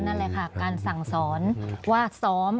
นั่นแหละค่ะการสั่งสอนว่าซ้อม